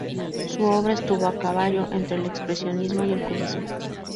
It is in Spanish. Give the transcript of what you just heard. Su obra estuvo a caballo entre el expresionismo y el cubismo.